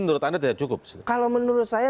menurut anda tidak cukup kalau menurut saya